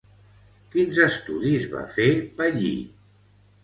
Quins estudis va fer Pallí?